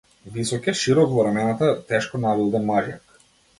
Висок е, широк во рамената, тешко набилдан мажјак.